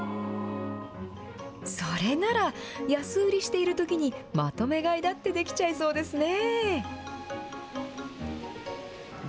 それなら、安売りしているときに、まとめ買いだってできちゃいそうですね。